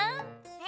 え？